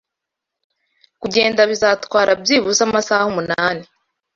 Kugenda bizatwara byibuze amasaha umunani.